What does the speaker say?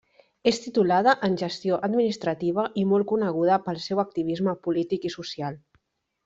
És titulada en Gestió Administrativa i molt coneguda pel seu activisme polític i social.